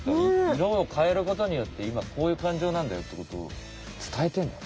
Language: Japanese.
色を変えることによっていまこういう感情なんだよってことを伝えてんだ。